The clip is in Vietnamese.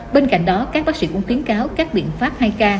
bên cạnh đó các bác sĩ cũng khuyến cáo các biện pháp hai k